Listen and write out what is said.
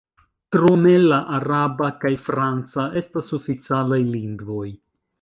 Krome la araba kaj franca estas oficialaj lingvoj.